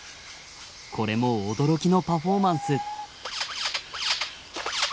これも驚きのパフォーマンス。